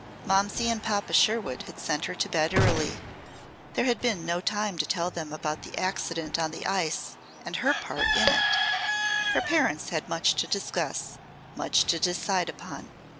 Momsey and Papa Sherwood had sent her to bed early. There had been no time to tell them about the accident on the ice and her part in it. Her parents had much to discuss, much to decide upon.